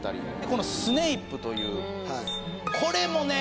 このスネイプというこれもね